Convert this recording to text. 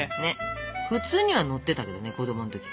普通には乗ってたけどね子供の時。